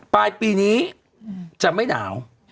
ปลายปีนี้จะไม่หนาว